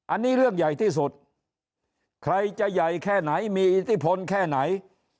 อันนี้เรื่องใหญ่ที่สุดใครจะใหญ่แค่ไหนมีอิทธิพลแค่ไหน